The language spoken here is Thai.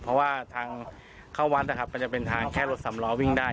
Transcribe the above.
เพราะว่าทางเข้าวัดนะครับมันจะเป็นทางแค่รถสำล้อวิ่งได้